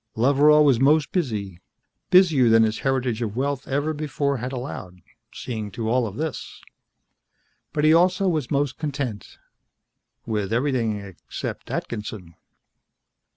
Loveral was most busy, busier than his heritage of wealth ever before had allowed, seeing to all of this. But he also was most content with everything except Atkinson.